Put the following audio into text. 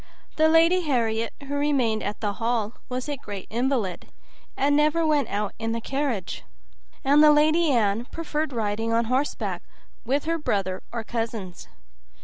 The Lady Harriet, who remained at the hall, was a great invalid, and never went out in the carriage, and the Lady Anne preferred riding on horseback with her brother or cousins.